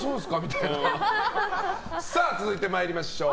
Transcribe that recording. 続いてまいりましょう。